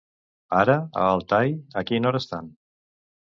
Ara a Altai a quina hora estan?